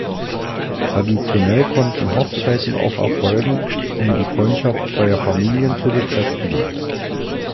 Traditionell konnten Hochzeiten auch erfolgen, um die Freundschaft zweier Familien zu bekräftigen.